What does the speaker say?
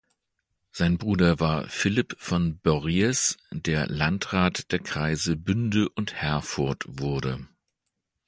Sein Bruder war Philipp von Borries, der Landrat der Kreise Bünde und Herford wurde.